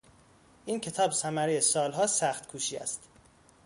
این کتاب ثمرهی سالها سخت کوشی است.